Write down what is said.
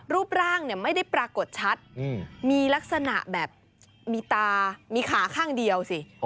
รูปร่างไม่ได้ปรากฏชัดมีลักษณะแบบมีตามีขาข้างเดียวสิ